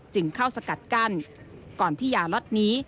จึงเข้าสกัดกั้นก่อนที่ยาล็อตนี้